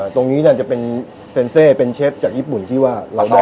ตรงนี้จะเป็นเซ็นเซเป็นเชฟจากญี่ปุ่นที่ว่าเราได้